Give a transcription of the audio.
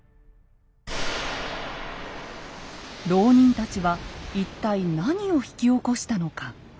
牢人たちは一体何を引き起こしたのか。